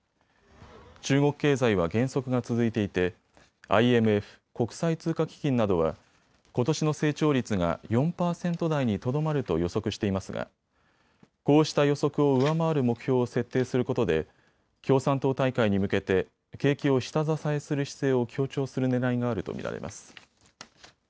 中国経済は減速が続いていてＩＭＦ・国際通貨基金などはことしの成長率が４％台にとどまると予測していますがこうした予測を上回る目標を設定することで共産党大会に向けて景気を下支えする姿勢を強調するねらいがあると見られます。